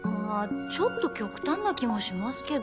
ちょっと極端な気もしますけど。